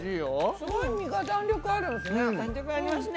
すごい身が弾力あるんですね。